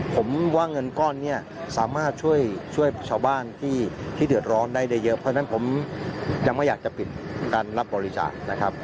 ผมว่าเงินก้อนนี้สามารถช่วยชาวบ้านที่เดือดร้อนได้ได้เยอะเพราะฉะนั้นผมยังไม่อยากจะปิดการรับบริจาคนะครับ